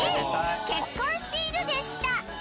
結婚しているでした。